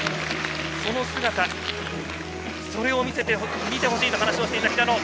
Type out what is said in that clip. その姿、それを見てほしいと話をしていた平野。